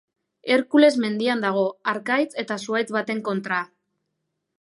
Herkules mendian dago, harkaitz eta zuhaitz baten kontra.